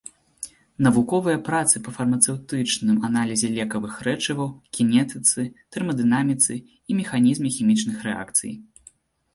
Навуковыя працы па фармацэўтычным аналізе лекавых рэчываў, кінетыцы, тэрмадынаміцы і механізме хімічных рэакцый.